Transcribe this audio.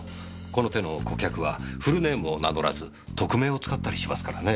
この手の顧客はフルネームを名乗らず匿名を使ったりしますからね。